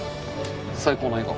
最高の笑顔。